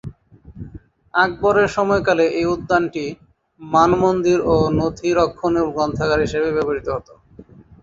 আকবরের সময়কালে এই উদ্যানটি মানমন্দির ও নথি রক্ষণের গ্রন্থাগার হিসেবে ব্যবহৃত হত।